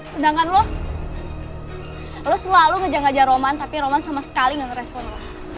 sedangkan lo lo selalu ngejar ngejar roman tapi roman sama sekali gak ngerespon lo